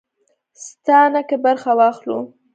ساتنه کې برخه واخلو.